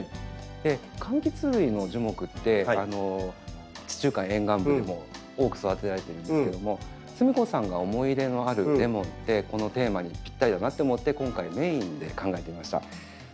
柑橘類の樹木って地中海沿岸部でも多く育てられてるんですけどもすみこさんが思い入れのあるレモンってこのテーマにぴったりだなと思って今回メインで考えてみました。